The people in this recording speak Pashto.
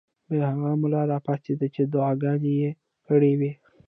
بیا هغه ملا راپاڅېد چې دعاګانې یې کړې وې.